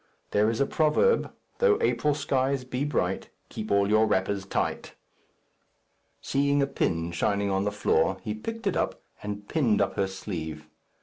There is a proverb, "'Though April skies be bright, Keep all your wrappers tight.'" Seeing a pin shining on the floor, he picked it up and pinned up her sleeve.